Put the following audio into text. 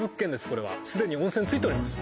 これは既に温泉付いております